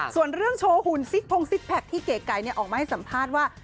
ส่วนเรื่องโชว์หุ่นซิกพงซิกแพคที่เก๋ไก่ออกมาให้สัมภาษณ์ว่า